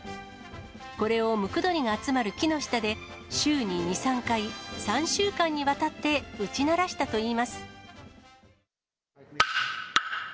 これをムクドリが集まる木の下で、週に２、３回、３週間にわたって打ち鳴らしたといいます。